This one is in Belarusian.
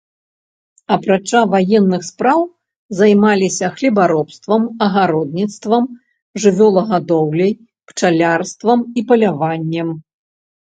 Апрача ваенных спраў займаліся хлебаробствам, агародніцтвам, жывёлагадоўляй, пчалярствам і паляваннем.